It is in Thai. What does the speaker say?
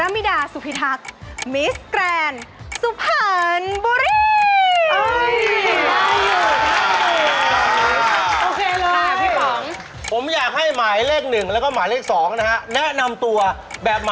มีแฟนยังครับผม